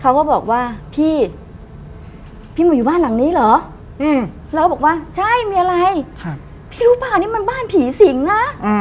ก็บอกว่าพี่พี่หนูอยู่บ้านหลังนี้เหรอแล้วบอกว่าใช่มีอะไรพี่รู้ป่ะนี่มันบ้านผีสิงนะ